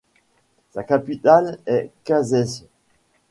Sa capitale est Kasese.